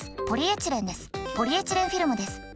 ポリエチレンフィルムです。